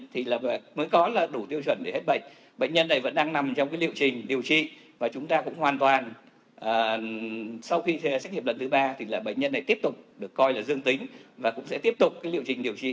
thì mới có là đủ tiêu chuẩn để hết bệnh bệnh nhân này vẫn đang nằm trong cái liệu trình điều trị và chúng ta cũng hoàn toàn sau khi xét nghiệm lần thứ ba thì là bệnh nhân lại tiếp tục được coi là dương tính và cũng sẽ tiếp tục cái liệu trình điều trị